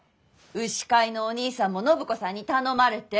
牛飼いのお兄さんも暢子さんに頼まれて？